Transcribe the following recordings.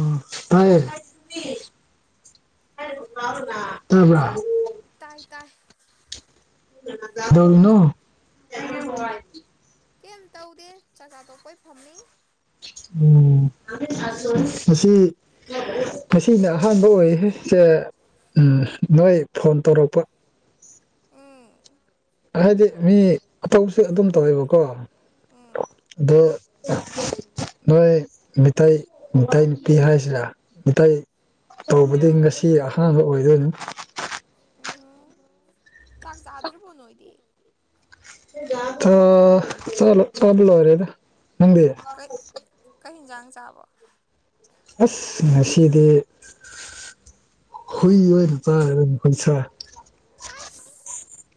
ꯑ ꯇꯥꯏ ꯇꯕ꯭ꯔ ꯇꯥꯏ ꯇꯥꯏ ꯀꯩꯗꯧꯔꯤꯅꯣ ꯀ ꯐ [inaudible] ꯀꯩꯝ ꯇꯧꯗꯦ ꯆꯥꯛꯆꯥ ꯇꯣꯛꯄꯩ ꯐꯝꯃꯤ ꯎꯝ ꯉꯁꯤ ꯉꯁꯤꯅ ꯑꯍꯥꯟꯕ ꯑꯣꯏꯑꯦ ꯅꯣꯏ ꯐꯣꯟ ꯇꯧꯔꯛꯄ ꯎꯝ ꯍꯥꯏꯗꯤ ꯃꯤ ꯑꯇꯧꯕꯁꯨ ꯑꯗꯨꯝ ꯇꯧꯋꯦꯕꯀꯣ ꯎꯝ ꯑꯗꯣ ꯅꯣꯏ ꯃꯤꯇꯩ ꯃ ꯅꯨꯄꯤ ꯍꯥꯏꯁꯤꯔ ꯃꯤꯇꯩ ꯇꯧꯕꯗꯤ ꯉꯁꯤ ꯑꯍꯥꯟꯕ ꯑꯣꯏꯗꯣꯏꯅ ꯎꯝꯍ ꯆꯥꯛ ꯆꯥꯗ꯭ꯔꯤꯕꯣ ꯅꯣꯣꯏꯗꯤ ꯑ ꯆꯂꯣ ꯆꯂ ꯑꯣꯏꯔꯦꯗ ꯃꯪꯗꯤ ꯀꯩ ꯀꯩ ꯌꯦꯟꯖꯥꯡ ꯆꯥꯕꯣ ꯑꯁ ꯉꯁꯤꯗꯤ ꯍꯨꯏ ꯑꯣꯏꯔ ꯇ ꯑꯗꯨ ꯄꯩꯁꯥ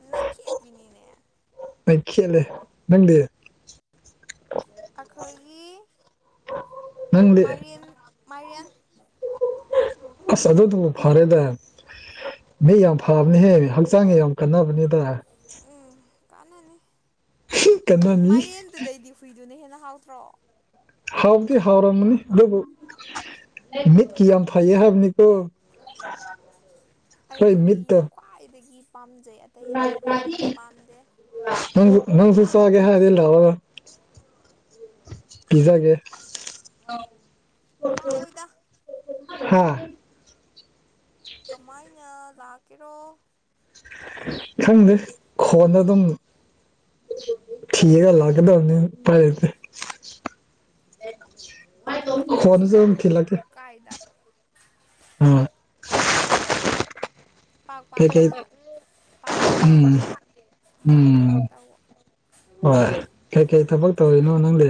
ꯅ ꯊꯦꯛꯕꯤꯅꯤꯅꯦ ꯃ ꯀꯦꯂꯦ ꯅꯪꯗꯤ ꯑꯩꯈꯣꯏꯒꯤ ꯅꯪꯗꯤ ꯃꯥꯏꯔꯦꯟ ꯃꯥꯏꯔꯦꯟ ꯑꯁꯗꯣ ꯇꯕꯨ ꯐꯔꯦꯗ ꯃꯤ ꯌꯥꯝ ꯐꯕꯅꯤꯍꯦ ꯍꯛꯆꯥꯡꯁ ꯌꯥꯝ ꯀꯟꯅꯕꯅꯤꯗ ꯎꯝ ꯀꯥꯟꯅꯅꯤ ꯀꯟꯅꯅꯤ ꯃꯥꯏꯔꯦꯟꯗꯨꯗꯩꯗꯤ ꯍꯨꯏꯗꯨꯅ ꯍꯦꯟꯅ ꯍꯥꯎꯇ꯭ꯔꯣ ꯍꯥꯎꯗꯤ ꯍꯥꯎꯔꯝꯅꯤ ꯑꯗꯨꯕꯨ ꯃꯤꯠꯀꯤ ꯌꯥꯝ ꯐꯩꯌꯦ ꯍꯥꯏꯕꯅꯤꯀꯣ ꯑꯩꯗꯤ ꯑꯩꯈꯣꯏ ꯃꯤꯠꯇꯣ ꯍꯨꯏꯅ ꯈ꯭ꯋꯥꯏꯗꯒꯤ ꯄꯥꯝꯖꯩ ꯑꯇꯩ ꯑꯇꯩꯗꯤ ꯑꯝꯇ ꯄꯥꯝꯗꯦ ꯅꯪꯁꯨ ꯅꯪꯁꯨꯨ ꯆꯥꯒꯦ ꯍꯥꯏꯔꯗꯤ ꯂꯥꯑꯣ ꯄꯤꯖꯒꯦ ꯂꯥꯛꯑꯣꯏꯗ ꯍꯥꯥ ꯀꯃꯥꯏꯅ ꯂꯥꯛꯀꯦꯔꯣ ꯈꯪꯗꯦ ꯈꯣꯟꯗ ꯑꯗꯨꯝ ꯊ ꯂꯒꯗ ꯑꯣꯅꯤ ꯇꯔ ꯑꯩꯈꯣꯏꯁꯨ ꯁꯤꯗ ꯍꯅꯁꯨ ꯑꯗꯨꯝ ꯊꯂ ꯀꯦ ꯀꯥꯏꯗ ꯑꯥ ꯄꯥꯛ ꯄꯥꯛꯅ ꯀꯩꯀꯩ ꯄꯥꯛ ꯄꯥꯛꯅ ꯎꯝ ꯍꯥꯠꯇꯦꯕ ꯃꯔꯛ ꯃꯔꯛ ꯎꯝ ꯇꯧꯕ ꯍꯣꯏ ꯀꯩꯀꯩ ꯊꯕꯛ ꯇꯧꯔꯤꯅꯣ ꯅꯪꯗꯤ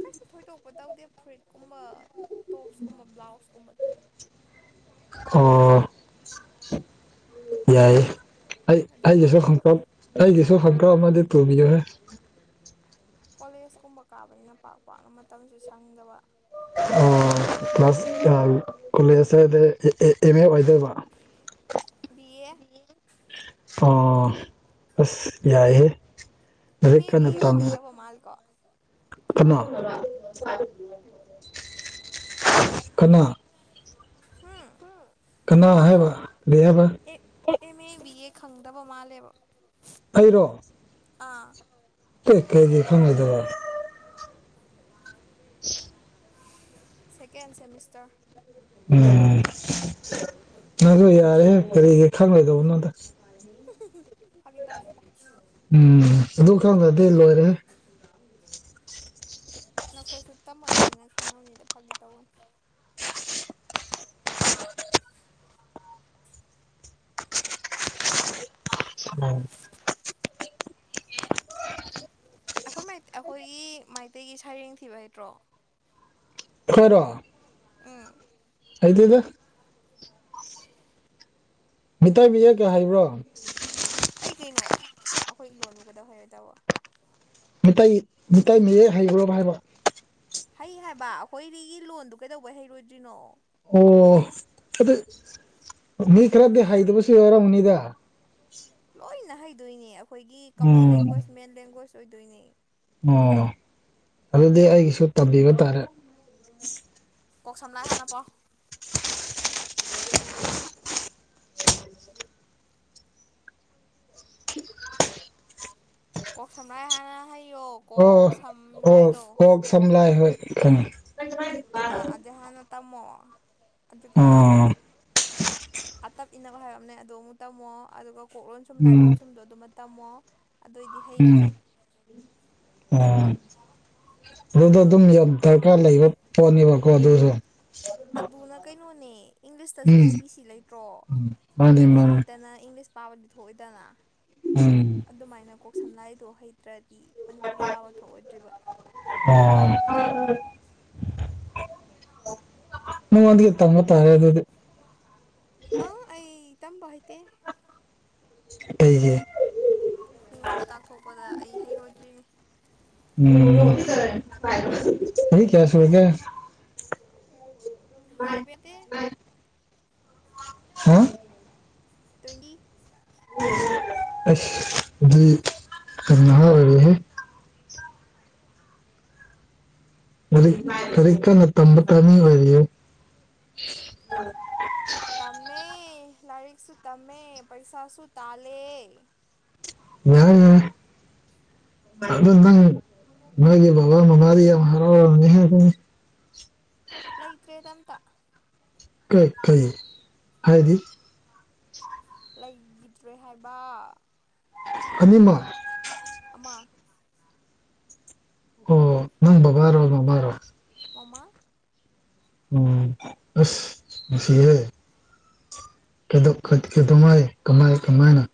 ꯀꯩꯁꯨ ꯊꯣꯏꯗꯣꯛꯄ ꯇꯧꯗꯦ ꯐꯨꯔꯤꯠꯀꯨꯝꯕ ꯇꯣꯞꯁ ꯀꯨꯝꯕ ꯕ꯭ꯂꯥꯎꯁꯀꯨꯝꯕ ꯇꯨꯏ ꯑꯣ ꯌꯥꯏꯌꯦ ꯑꯩ ꯍꯥꯏꯗꯤ ꯑꯩꯒꯤꯁꯨ [unintelligible] ꯑꯩꯒꯤꯁꯨ ꯈꯪꯒ꯭ꯔꯥꯎ ꯑꯃꯗꯤ ꯇꯨꯕꯤꯌꯣꯍꯦ ꯀꯣꯂꯦꯖ ꯀꯨꯝꯕ ꯀꯥꯕꯅꯤꯅ ꯄꯥꯛ ꯄꯥꯛꯅ ꯃꯇꯝꯁꯨ ꯁꯪꯗꯕ ꯑꯣ ꯀ꯭ꯂꯥꯁ [unintelligible] ꯀꯣꯂꯦꯖꯇꯗꯤ ꯑꯦꯝ ꯑꯦ ꯑꯣꯏꯗꯣꯏꯕ ꯕꯤ ꯑꯦ ꯑ ꯑꯁ ꯌꯥꯏꯍꯦ ꯂꯥꯏꯔꯤꯛ ꯀꯟꯅ ꯇꯝꯃꯨ ꯃꯥꯜꯂꯤꯀꯣ ꯀꯅꯥ [unintelligible] ꯀꯅꯥ ꯍꯨꯝ ꯀꯅꯥ ꯍꯥꯏꯕ ꯑꯗꯨ ꯍꯥꯏꯕ A M A B A ꯈꯪꯗꯕ ꯃꯥꯜꯂꯦꯕ ꯑꯩꯔꯣ ꯑꯥ ꯑꯦ ꯀꯩꯑꯤ ꯈꯪꯒꯗꯔ [inaudible] ꯁꯦꯀꯦꯟ ꯁꯦꯃꯤꯁꯇꯔ ꯎꯝ ꯅꯪꯗꯣ ꯌꯥꯔꯗꯤ ꯇꯧꯒꯦ [unintelligible] ꯐꯥꯒꯤ ꯇꯧꯅꯤꯗ ꯎꯝ ꯑꯗꯨ ꯈꯪꯗ꯭ꯔꯗꯤ ꯂꯣꯏꯔꯦꯍꯦ ꯅꯈꯣꯏꯁꯨ ꯇꯝꯃꯛꯏꯅꯤꯅ ꯈꯪꯉꯝꯅꯤꯗ ꯐꯥꯒꯤ ꯇꯧꯕꯅꯤ ꯑꯩꯈꯣꯏ ꯃꯩꯇꯩ ꯑꯩꯈꯣꯏꯒꯤ ꯃꯩꯇꯩꯒꯤ ꯁꯩꯔꯦꯡ ꯊꯤꯕ ꯍꯩꯇ꯭ꯔꯣ ꯑꯈꯣꯔꯣ ꯎꯝ ꯍꯩꯗꯦꯗ ꯃꯤꯇꯩ ꯃꯌꯦꯛꯀꯤ ꯍꯥꯏꯕ꯭ꯔꯣ ꯍꯩ ꯀꯩꯅꯣ ꯑꯩꯈꯣꯏ ꯂꯣꯟꯕꯨ ꯀꯩꯗꯧ ꯍꯩꯔꯣꯏꯗꯧꯕ ꯃꯤꯇꯩ ꯃꯤꯇꯩ ꯃꯌꯦꯛ ꯍꯩꯕ꯭ꯔ ꯍꯥꯏꯕ ꯍꯩ ꯍꯥꯏꯕ ꯑꯩꯈꯣꯏꯗꯒꯤ ꯂꯣꯟꯗꯨ ꯀꯩꯗꯧꯕꯩ ꯍꯩꯔꯣꯏꯗ꯭ꯔꯤꯅꯣ ꯑꯣ ꯑꯗꯨ ꯃꯤ ꯈꯔꯗꯤ ꯍꯩꯗꯕꯁꯨ ꯌꯥꯎꯔꯝꯃꯅꯤꯗ ꯂꯣꯏꯅ ꯍꯩꯗꯣꯏꯅꯦ ꯑꯩꯈꯣꯏꯒꯤ common um language main language ꯑꯣꯏꯗꯣꯏꯅꯦ ꯑꯣ ꯑꯗꯨꯗꯤ ꯑꯩꯒꯤꯁꯨ ꯇꯝꯕꯤꯕ ꯇꯥꯔꯦ ꯀꯣꯛ ꯁꯝ ꯂꯥꯏ ꯍꯥꯟꯅ ꯄꯥꯎ ꯀꯣꯛ ꯁꯝꯂꯥꯏ ꯍꯥꯟꯅ ꯍꯩꯌꯣ ꯀꯣꯛ ꯑꯣ ꯁꯝ ꯂꯥꯏ ꯑꯣ ꯗꯣ ꯑꯣꯛ ꯁꯝꯂꯥꯏ ꯍꯣꯏ ꯈꯪꯉꯦ ꯑꯥꯖꯅ ꯇꯃꯣ ꯑꯗꯨꯖꯀ ꯑꯣ ꯑꯇꯞ ꯏꯅꯕ ꯍꯥꯏꯔ ꯑꯃꯅꯦ ꯑꯗꯣ ꯑꯃꯨꯛ ꯇꯝꯃꯣ ꯑꯗꯨꯒ ꯀꯣꯛꯂꯣꯟꯣꯟ ꯁꯨꯝ ꯎꯝ ꯂꯥꯏꯂꯣꯟꯣ ꯁꯨꯝꯗꯣ ꯑꯗꯨꯃ ꯇꯝꯃꯣ ꯑꯗꯨꯑꯣꯏꯗꯤ ꯍꯩꯔꯅꯤ ꯎ ꯑꯗꯨꯗ ꯑꯗꯨꯝ ꯗꯔꯀꯥꯔ ꯂꯩꯕ ꯄꯣꯠꯅꯦꯕ ꯀꯣ ꯑꯗꯨꯁꯨꯣ ꯑꯗꯨꯅ ꯀꯩꯅꯣꯅꯦ ꯏꯪꯂꯤꯁꯇꯁꯨ ꯎꯝ ꯑꯦ ꯕꯤ ꯁꯤ ꯂꯩꯇ꯭ꯔꯣ ꯃꯥꯅꯤ ꯑꯦ ꯕꯤ ꯁꯤ ꯃꯥꯅꯤ ꯍꯩꯇꯅ ꯏꯪꯂꯤꯁ ꯄꯥꯕꯗꯤ ꯊꯣꯛꯑꯣꯏꯗꯅ ꯎꯝ ꯑꯗꯨꯃꯥꯏꯅ ꯀꯣꯛ ꯁꯝꯂꯥꯏꯗꯣ ꯍꯩꯇ꯭ꯔꯗꯤ ꯃꯅꯤꯄꯨꯔꯤ ꯄꯥꯕ ꯊꯣꯛꯑꯣꯏꯗ꯭ꯔꯤꯕ ꯑꯝ ꯅꯪꯉꯣꯟꯗꯒꯤ ꯇꯝꯕ ꯇꯔꯦ ꯑꯗꯨꯗꯤ ꯑꯥ ꯑꯩ ꯇꯝꯕ ꯍꯩꯇꯦ ꯑꯩꯒꯤ ꯃꯤꯉꯣꯟꯗ ꯇꯥꯛꯊꯣꯛꯄꯗ ꯑꯩ ꯍꯩꯔꯣꯏꯗ꯭ꯔꯤꯅꯤ ꯎꯝ ꯆꯍꯤ ꯀꯌꯥ ꯁꯨꯔꯒꯦ ꯍꯏꯕꯗꯤ ꯍꯥ ꯇ꯭ꯋꯦꯟꯇꯤ ꯑꯁ ꯑꯗꯨ ꯀ ꯃꯍꯍꯥ ꯑꯣꯏꯦꯍꯦ ꯃꯔꯤ ꯀꯔꯤ ꯀꯅ ꯇꯝꯕ ꯇꯅꯤ ꯋꯥꯔꯤꯔꯤ ꯇꯝꯃꯦ ꯂꯥꯏꯔꯤꯛꯁꯨ ꯇꯝꯃꯦ ꯄꯩꯁꯥꯁꯨ ꯇꯥꯜꯂꯦ ꯌꯥ ꯑꯗꯨ ꯅꯪ ꯅꯣꯏꯒꯤ ꯕꯕꯥ ꯃꯃꯥꯗꯤ ꯌꯥꯝ ꯍꯔꯥꯎꯔꯝꯅꯤ ꯍꯥꯏꯕꯅꯤ ꯂꯩꯇ꯭ꯔꯦꯗ ꯑꯝꯇ ꯀꯩ ꯀꯩ ꯍꯥꯏꯗꯤ ꯂꯩꯈꯤꯗ꯭ꯔꯦ ꯍꯥꯏꯕ ꯑꯅꯤꯃꯛ ꯑꯃ ꯑꯣ ꯅꯪ ꯕꯕꯥꯥꯔꯣ ꯃꯕꯥꯔꯣ ꯃꯃꯥ ꯎꯝ ꯑꯁꯁꯤꯍꯦ ꯀꯩꯗꯧꯉꯥꯏ ꯀꯃꯥꯏ ꯀꯃꯥꯏꯅ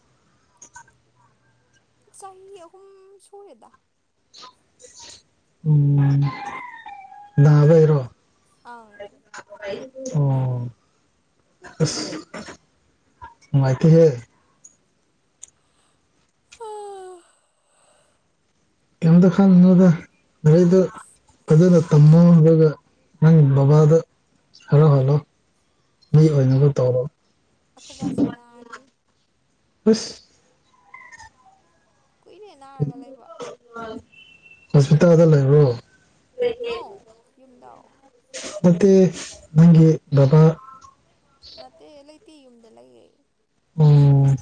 ꯆꯍꯤ ꯑꯍꯨꯝ ꯁꯨꯔꯦꯗ ꯎꯝ ꯂꯕꯔꯣ ꯑꯪ ꯑꯣ ꯃꯥꯥꯏꯇ ꯍꯦ ꯑꯣ ꯀꯩꯝꯇ ꯈꯥꯡꯉꯣꯗ ꯔꯤꯗ ꯑꯁ ꯐꯖꯅ ꯇꯃꯣꯒ ꯅꯪ ꯕꯕꯥꯗ ꯍꯂꯣ ꯍꯂꯣ ꯃꯤ ꯑꯣꯏꯅꯕꯨ ꯑꯩꯈꯣꯏ ꯇꯧꯔꯣ ꯑꯩꯈꯣꯏꯕꯥꯁꯨ ꯅꯥꯔꯤ ꯑꯁ ꯀꯨꯏꯅ ꯅꯥꯔꯒ ꯂꯩꯕ ꯍꯁꯄꯤꯇꯥꯜꯗ ꯂꯩꯕ꯭ꯔꯣ ꯅꯧ ꯌꯨꯝꯗꯥꯎ ꯃꯦ ꯅꯪꯒꯤ ꯕꯕꯥ ꯅꯠꯇꯦ ꯂꯩꯇꯦ ꯌꯨꯝꯗ ꯂꯩꯌꯦ ꯑꯣꯝ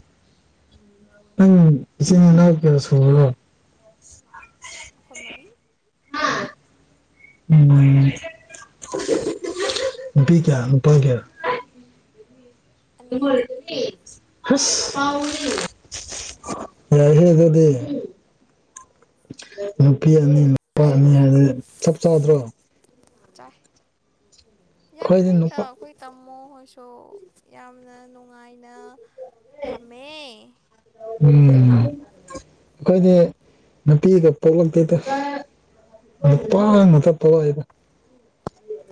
ꯅꯪ ꯏꯆꯤꯟ ꯏꯅꯥꯎ ꯀꯌꯥ ꯁꯨꯔꯔꯣ ꯈꯃꯅꯤ [inaudible] ꯕꯤꯒ꯭ꯥꯟ ꯕꯒꯦꯜ ꯑꯅꯤ ꯑꯅꯤ ꯍ ꯑꯦ ꯍꯦ ꯑꯗꯨꯗꯤ ꯅꯨꯄꯤ ꯑꯅꯤ ꯅꯨꯄꯥ ꯑꯅꯤ ꯍꯥꯏꯕꯗꯤ ꯆꯞ ꯆꯥꯗ꯭ꯔꯣ ꯆꯥꯏ ꯌꯥꯝ ꯑꯩꯈꯣꯏꯗꯤ ꯐꯩꯗ ꯅꯨꯄꯥ ꯑꯩꯈꯣꯏ ꯇꯥꯝꯃꯣꯍꯣꯏꯁꯨ ꯌꯥꯝꯅ ꯅꯨꯡꯉꯥꯏꯅ ꯊꯝꯃꯦ ꯎꯝ ꯑꯩꯈꯣꯏꯗꯤ ꯅꯨꯄꯤꯒ ꯄꯣꯛꯂꯛꯇꯦꯗ ꯅꯨꯄꯥꯉꯥꯛꯇ ꯄꯣꯛꯑꯦꯗ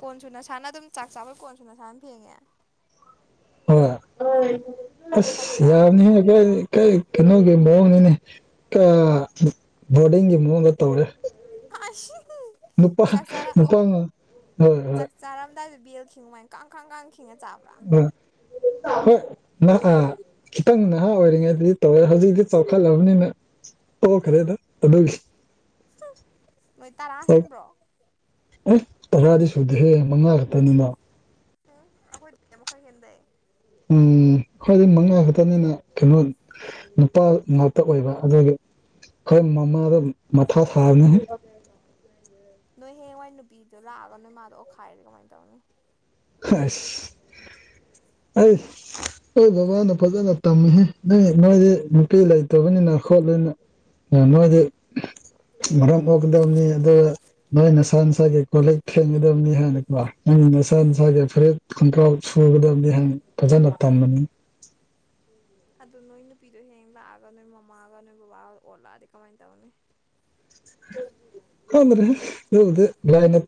ꯀꯣꯟꯁꯨ ꯅꯁꯥꯅ ꯑꯗꯨꯝ ꯆꯥꯛ ꯆꯥꯕ ꯀꯣꯟꯁꯨ ꯅꯁꯥꯅ ꯐꯦꯡꯉꯦ ꯍꯣ ꯑꯁ ꯐꯠꯇ꯭ꯔꯥ ꯌꯥꯕꯅꯤꯍꯦ ꯑꯩꯈꯣꯢꯗꯤ ꯀꯩ ꯀꯩꯅꯣꯒꯤ ꯃꯑꯣꯡꯅꯤꯅꯦ ꯕꯣꯔꯗꯤꯡꯒꯤ ꯃꯑꯣꯡꯗ ꯇꯧꯔꯦ ꯅꯨꯄꯥ ꯆꯥꯛ ꯆꯥꯔꯥ ꯅꯨꯄꯥ ꯍꯣꯏ ꯍꯣꯏ ꯆꯥꯔꯝꯗꯥꯏ ꯕꯦꯜ ꯡꯉꯨꯥꯏ ꯀꯥꯡꯈ ꯀꯥꯡ ꯈꯤꯉ ꯆꯥꯕ꯭ꯔꯥ ꯍꯣꯏ ꯈꯤꯇꯪ ꯅꯍꯥ ꯑꯣꯏꯔꯤꯉꯩ ꯑꯗꯨꯗꯤ ꯇꯧꯋꯦ ꯍꯧꯖꯤꯛꯇꯤ ꯆꯥꯎꯈꯠꯂꯕꯅꯤꯅ ꯇꯣꯛꯈ꯭ꯔꯦꯗ ꯑꯗꯨꯁꯤ ꯅꯣꯏ ꯇꯔꯥ ꯍꯦꯟꯕ꯭ꯔꯣ ꯑꯦ ꯇꯔꯥꯗꯤ ꯁꯨꯗꯦꯍꯦ ꯃꯉꯥ ꯈꯛꯇꯅꯤꯅ ꯎꯝ ꯑꯩꯈꯣꯏꯗꯒꯤ ꯑꯃꯨꯛ ꯈꯔ ꯍꯦꯟꯗꯩ ꯎꯝ ꯑꯩꯈꯣꯢꯗꯤ ꯃꯉꯥꯈꯛꯇꯅꯤꯅ ꯀꯩꯅꯣ ꯅꯨꯄꯥ ꯃ ꯇ ꯑꯣꯏꯕ ꯑꯗꯨꯒꯤ ꯈꯣꯏ ꯃꯃꯥꯗꯣ ꯃꯊꯥ ꯁꯥꯕꯅꯦꯍꯦ ꯅꯣꯏ ꯍꯌꯦꯡꯋꯥꯏ ꯅꯨꯄꯤꯗꯣ ꯂꯥꯛꯑꯒ ꯅꯣꯏ ꯃꯥꯗꯣ ꯑꯣꯈꯥꯏꯔꯗꯤ ꯀꯃꯥꯏꯅ ꯇꯧꯅꯤ ꯍꯁ ꯑꯩ ꯑꯩꯈꯣꯏ ꯕꯕꯥꯅ ꯐꯖꯅ ꯇꯝꯃꯤꯍꯦ ꯅꯣꯏ ꯅꯣꯏꯗꯤ ꯅꯨꯄꯤ ꯂꯩꯇꯕꯅꯤꯅ ꯈꯣꯠꯂꯅ ꯅꯣꯏꯗꯤ ꯃꯔꯝ ꯃꯣꯛꯀꯗꯕꯅꯤ ꯑꯗꯨꯒ ꯅꯣꯏ ꯅꯁꯥ ꯅꯁꯥꯒꯤ ꯀꯣꯜꯂꯤꯛ ꯐꯦꯡꯒꯗꯕꯅꯤ ꯍꯥꯏꯅꯀꯣ ꯅꯣꯢ ꯅ ꯅꯁꯥ ꯅꯁꯥꯒꯤ ꯐꯨꯔꯤꯠ ꯈꯣꯡꯈ꯭ꯔꯥꯎ ꯁꯨꯒꯗꯕꯅꯤ ꯍꯥꯢꯅ ꯐꯖꯅ ꯇꯝꯕꯅꯤ ꯑꯗꯨ ꯅꯣꯏ ꯅꯨꯄꯤꯗꯣ ꯍꯌꯦꯡ ꯂꯥꯛꯑꯒ ꯅꯣꯏ ꯃꯃꯥꯒ ꯅꯣꯏ ꯕꯕꯥꯒ ꯑꯣꯠꯂꯛꯑꯗꯤ ꯀꯃꯥꯏꯅ ꯇꯧꯅꯤ ꯈꯪꯗ꯭ꯔꯦꯍꯦ ꯑꯗꯨꯒꯗꯤ ꯂꯥꯢꯅ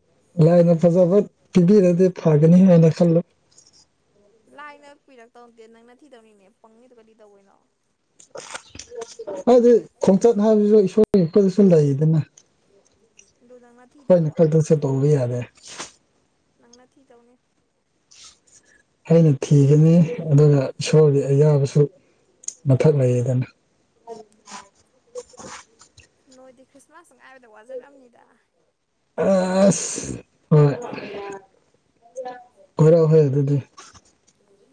ꯂꯥꯏꯅ ꯐꯖꯕ ꯄꯤꯕꯤꯔꯗꯤ ꯐꯒꯅꯤ ꯍꯥꯏꯅ ꯈꯜꯂꯦ ꯂꯥꯏꯅ ꯄꯤꯔꯛꯇꯧ ꯅꯠꯇꯦ ꯅꯪꯅ ꯊꯤꯗꯧꯅꯤꯅꯦ ꯄꯪꯉꯤꯗꯣ ꯀꯔꯤ ꯇꯧꯕꯩꯅꯣ [unintelligible] ꯍꯥꯏꯗꯤ ꯈꯣꯡꯆꯠ ꯍꯥꯏꯕꯁꯤꯁꯨ ꯏꯁꯣꯔ ꯄꯤꯔꯛꯄꯗꯁꯨ ꯂꯩꯌꯦꯗꯅ ꯑꯗꯨ ꯅꯪꯅ ꯍꯣꯏꯅꯦ ꯊꯤꯗꯧꯕ ꯈꯔꯁꯦꯝꯇꯣꯛꯍꯧꯕ ꯌꯥꯔꯦ ꯅꯪꯅ ꯊꯤꯗꯧꯅꯤ ꯑꯩꯅ ꯊꯤꯒꯅꯤ ꯑꯗꯨꯒ ꯏꯁꯣꯔꯒꯤ ꯑꯌꯥꯕꯁꯨ ꯃꯊꯛ ꯂꯩꯌꯦꯗꯅ ꯅꯣꯏꯗꯤ ꯈ꯭ꯔꯤꯁꯃꯥꯁ ꯉꯥꯏꯕꯗ ꯋꯥꯖꯔꯝꯅꯤꯗ ꯑꯁ ꯍꯣꯏ ꯀꯣꯏꯔꯛꯑꯣꯍꯦ ꯑꯗꯨꯗꯤ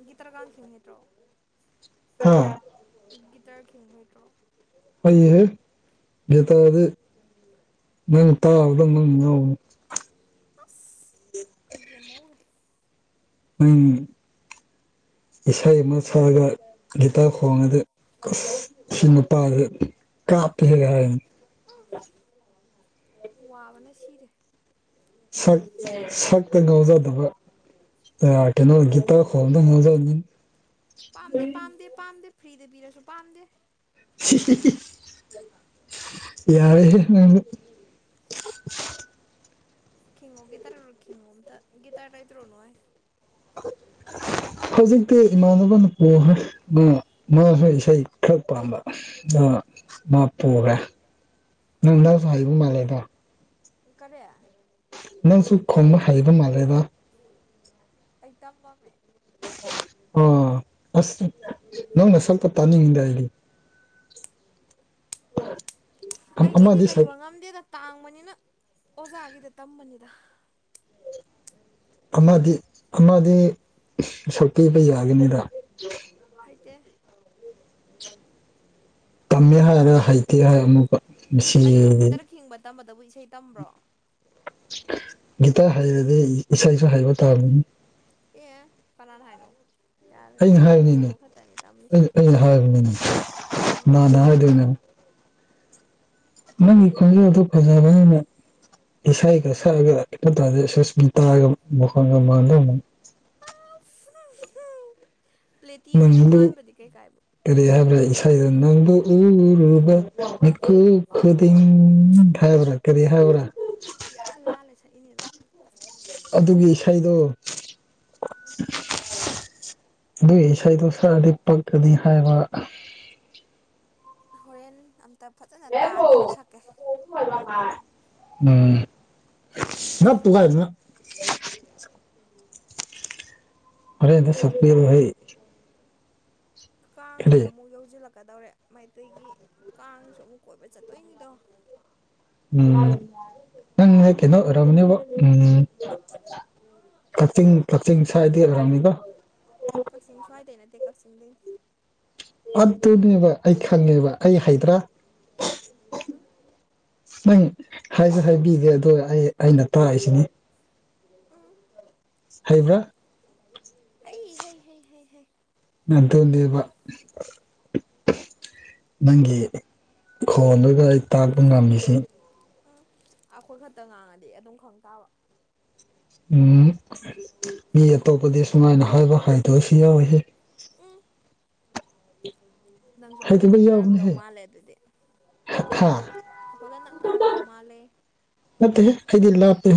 ꯒꯤꯇꯔ [unintelligible] ꯈꯤꯡ ꯍꯩꯇ꯭ꯔꯣ ꯍꯥ ꯒꯤꯇꯔ ꯈꯤꯡꯕ ꯍꯩꯇ꯭ꯔꯣ ꯍꯩꯍꯦ ꯒꯤꯇꯔꯗꯤ ꯅꯪ ꯇꯥꯕꯗ ꯅꯪ ꯉꯥꯎꯒꯅꯤ ꯑꯁ ꯑꯩ ꯌꯦꯃꯧꯔꯦ ꯅꯪ ꯏꯁꯩ ꯑꯃ ꯁꯛꯑꯒ ꯒꯤꯇꯥꯔ ꯈꯣꯡꯉꯗꯤ ꯑꯁ ꯑꯁꯤ ꯅꯨꯄꯥꯁꯦ ꯀꯥꯞꯄꯦꯍꯦ ꯍꯥꯢꯔꯅꯤ ꯑ ꯋꯥꯕꯅ ꯁꯤꯔꯦ ꯁꯛ ꯁꯛꯇ ꯉꯥꯎꯖꯗꯕ ꯎꯝ ꯑꯦ ꯀꯩꯅꯣ ꯒꯤꯇꯔ ꯈꯣꯡꯕꯗ ꯉꯥꯎꯖꯅꯤ ꯄꯥꯝꯗꯦ ꯄꯥꯝꯗꯦ ꯄꯥꯝꯗꯦ ꯐ꯭ꯔꯤꯗ ꯄꯤꯔꯁꯨ ꯄꯥꯝꯗꯦ ꯍꯤ ꯍꯤ ꯍꯤ ꯌꯥꯔꯦꯍꯦ ꯅꯪ ꯈꯤꯡꯉꯣ ꯒꯤꯇꯔꯗꯣ ꯈꯤꯡꯉꯣ ꯑꯝꯇ ꯒꯤꯇꯔ ꯂꯩꯇ꯭ꯔꯣ ꯅꯣꯢ ꯍꯧꯖꯤꯛꯇꯤ ꯏꯃꯥꯟꯅꯕꯅ ꯄꯨꯈ꯭ꯔꯦ ꯃꯥꯁꯨ ꯏꯁꯩ ꯈꯔ ꯄꯥꯝꯕ ꯃꯥ ꯃꯥ ꯄꯨꯈ꯭ꯔꯦ ꯅꯪꯅꯁꯨ ꯍꯩꯕ ꯃꯥꯜꯂꯦꯗꯣ ꯀꯔꯤ ꯅꯪꯁꯨ ꯈꯣꯕ ꯍꯩꯕ ꯃꯥꯜꯂꯦꯕ ꯑꯩꯩ ꯇꯝꯃꯝꯃꯦ ꯑꯣ ꯑꯁ ꯅꯪꯅ ꯁꯛꯄ ꯇꯥꯅꯤꯡꯗꯦ ꯑꯩ ꯑꯩꯒꯤꯗꯤ ꯑꯃꯗꯤ ꯁꯛ ꯂꯩꯕ ꯉꯝꯗꯦꯗ ꯇꯥꯡꯕꯅꯤꯅ ꯑꯣꯖꯥꯒꯤꯗ ꯇꯝꯕꯅꯤꯗ ꯑꯃꯗꯤ ꯑꯃꯗꯤ ꯁꯛꯄꯤꯕ ꯌꯥꯒꯅꯤꯗ ꯍꯥꯏꯇꯦ ꯇꯝꯃꯦ ꯍꯥꯏꯔ ꯍꯩꯇꯦ ꯍꯥꯏ ꯑꯃꯨꯛꯀ ꯀꯔꯤꯅꯣ ꯃꯁꯤꯗꯤ ꯒꯤꯇꯔ ꯈꯤꯡꯕ ꯇꯝꯕꯗꯕꯨ ꯏꯁꯩ ꯇꯝꯕ꯭ꯔꯣ ꯒꯤꯇꯥꯔ ꯍꯩꯔꯗꯤ ꯏꯁꯩꯁꯨ ꯍꯩꯕ ꯇꯥꯕꯅꯤ ꯑꯦ ꯀꯅꯥꯅ ꯍꯥꯏꯅꯣ ꯌꯥꯔꯦ ꯑꯩꯅ ꯑꯩꯈꯣꯏ ꯍꯥꯏꯕꯅꯤꯅꯦ ꯈꯤꯡꯕ ꯈꯛꯇꯅꯤ ꯇꯝꯃꯤꯁꯦ ꯑꯩꯅ ꯍꯥꯏꯕꯅꯤꯅꯦ ꯈꯤꯡꯕ ꯈꯛꯇ ꯀꯅꯥꯅ ꯇꯝꯃꯦ ꯍꯥꯏꯗꯣꯏꯅꯣ ꯅꯪꯒꯤ ꯈꯣꯟꯖꯦꯜꯗꯣ ꯐꯖꯕꯅꯤꯅ ꯏꯁꯩꯒ ꯁꯛꯑꯒ ꯇꯔꯗꯤ ꯁꯨꯁꯃꯤꯇꯥꯒ ꯃꯈꯣꯟꯒ ꯃꯥꯟ [unintelligible] [unintelligible] ꯄ꯭ꯂꯦꯇꯤ ꯑꯣꯏꯅ ꯅꯪꯕꯨ ꯃꯥꯟꯕꯗꯤ ꯀꯩꯀꯥꯏꯕ ꯀꯔꯤ ꯍꯥꯏꯕ꯭ꯔꯥ ꯏꯁꯥꯗ ꯅꯪꯕꯨ ꯎꯔꯨꯕ ꯃꯤꯈꯨꯞ ꯈꯨꯗꯤꯡ ꯎꯝ ꯍꯥꯏꯕ꯭ꯔꯥ ꯀꯔꯤ ꯍꯥꯏꯕ꯭ꯔꯥ ꯏꯔ ꯂꯥꯜꯂ ꯁꯛꯏꯅꯦꯕ ꯑꯗꯨꯒꯤ ꯏꯁꯩꯗꯣ ꯑꯗꯨꯏ ꯏꯁꯩꯗꯣ ꯁꯛꯑꯗꯤ ꯄꯛꯀꯅꯤ ꯍꯥꯏꯕ ꯍꯣꯔꯦꯟ ꯑꯝꯇ ꯐꯖꯅ ꯇꯥꯔꯤꯒꯦꯗꯣ ꯁꯛꯀꯦ ꯎꯝ ꯁꯞ ꯇꯒꯥꯏꯗ ꯐꯔꯦꯗ ꯑꯩꯈꯣꯏꯒꯤꯗꯤ ꯁꯣꯛꯄꯤꯔ ꯍ ꯀꯥꯡꯁꯨ ꯀꯔꯤ ꯑꯃꯨꯛ ꯌꯧꯁꯤꯜꯂꯛꯀꯗꯧꯔꯦ ꯃꯩꯇꯩꯒꯤ ꯀꯥꯡꯁꯨ ꯑꯃꯨꯛ ꯀꯣꯏꯕ ꯆꯠꯇꯣꯏꯅꯤꯗꯣ ꯎꯝ ꯅꯪ ꯀꯅꯣ ꯑꯣꯃꯅꯤꯕ ꯎꯝ ꯀꯛꯆꯤꯡ ꯀꯛꯆꯤꯡ ꯁ꯭ꯋꯥꯏꯗꯤ ꯑꯣꯏꯔꯝꯅꯤꯕ ꯀꯛꯆꯤꯡ ꯁ꯭ꯋꯥꯏꯗꯩ ꯅꯠꯇꯦ ꯀꯛꯆꯤꯡꯗꯩꯅꯤ ꯑꯗꯨꯅꯦꯕ ꯑꯩ ꯈꯪꯉꯦꯕ ꯑꯩ ꯍꯩꯗ꯭ꯔꯥ ꯎꯝ ꯅꯪ ꯍꯥꯏꯁꯨ ꯍꯥꯏꯕꯤꯗꯦ ꯑꯗꯣ ꯑꯩ ꯑꯩꯅ ꯇꯥꯛꯏꯁꯤꯅꯤ ꯎꯝ ꯍꯩꯕ꯭ꯔꯥ ꯍꯩ ꯍꯩ ꯍꯩ ꯍꯩ ꯑꯗꯨꯅꯦꯕꯥ ꯅꯪꯒꯤ ꯈꯣꯟꯗꯨꯒ ꯑꯩ ꯇꯥꯛꯄ ꯉꯝꯃꯤꯁꯤ ꯎꯝ ꯑꯩꯈꯣꯏ ꯈꯛꯇ ꯉꯥꯡꯉꯗꯤ ꯑꯗꯨꯝ ꯈꯪ ꯇꯥꯕ ꯎꯝ ꯃꯤ ꯑꯇꯣꯞꯄꯗꯤ ꯁꯨꯃꯥꯏꯅ ꯍꯥꯏꯕ ꯍꯥꯏꯇꯥꯕꯁꯨ ꯌꯥꯎꯏꯍꯦ ꯎꯝ ꯅꯪꯁꯨ ꯑꯩꯈꯣꯏꯒ ꯍꯩꯇꯕ ꯅꯛꯅꯔꯝꯗꯧ ꯌꯥꯎꯕꯅꯦꯍꯦ ꯃꯥꯜꯂꯦ ꯑꯗꯨꯗꯤ ꯍꯥ ꯈꯥ ꯑꯩꯈꯣꯏꯒ ꯅꯛꯅꯔꯝꯗꯧ ꯃꯥꯜꯂꯦ ꯌꯥꯠꯇꯦ ꯈꯍꯤꯗꯤꯜꯂꯥ ꯍꯥꯇꯦ